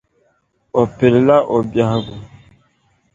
O pilila o biɛhigu.